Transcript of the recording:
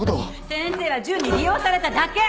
先生は純に利用されただけ！